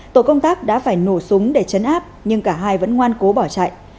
tổ công tác đã phải nổ súng để chấn áp nhưng cả hai vẫn ngoan cố bỏ chạy